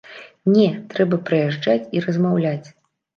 Не, трэба прыязджаць і размаўляць.